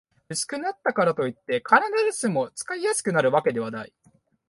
薄くなったからといって、必ずしも使いやすくなるわけではない